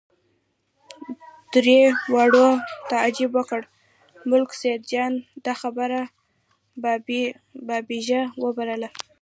درې واړو تعجب وکړ، ملک سیدجان دا خبره بابېزه وبلله.